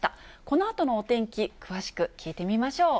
このあとのお天気、詳しく聞いてみましょう。